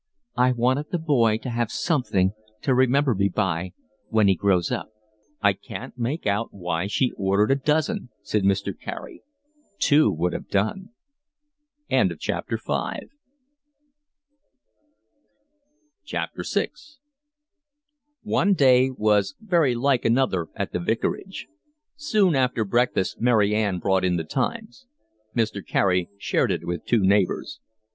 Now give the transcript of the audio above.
"I wanted the boy to have something to remember me by when he grows up." "I can't make out why she ordered a dozen," said Mr. Carey. "Two would have done." VI One day was very like another at the vicarage. Soon after breakfast Mary Ann brought in The Times. Mr. Carey shared it with two neighbours.